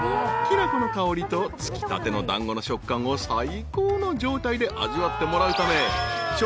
［きな粉の香りとつきたての団子の食感を最高の状態で味わってもらうため何と］